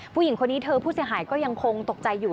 ผู้หญิงคนนี้เธอผู้เสียหายก็ยังคงตกใจอยู่